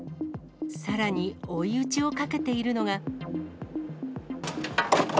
さらに、追い打ちをかけているのが。